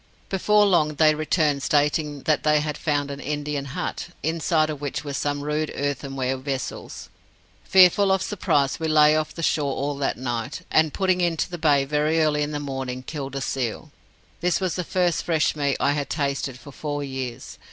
Before long they returned, stating that they had found an Indian hut, inside of which were some rude earthenware vessels. Fearful of surprise, we lay off the shore all that night, and putting into the bay very early in the morning, killed a seal. This was the first fresh meat I had tasted for four years.